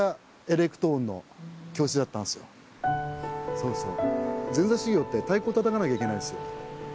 そうそう。